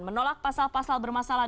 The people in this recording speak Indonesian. menolak pasal pasal bermasalah